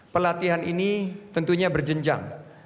pelatihan ini tentunya berjenjang